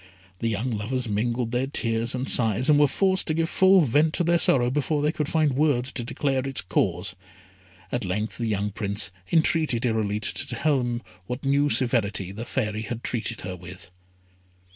The young lovers mingled their tears and sighs, and were forced to give full vent to their sorrow before they could find words to declare its cause. At length the young Prince entreated Irolite to tell him what new severity the Fairy had treated her with.